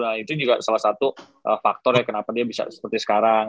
nah itu juga salah satu faktor ya kenapa dia bisa seperti sekarang